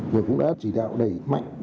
và cũng đã chỉ đạo đẩy mạnh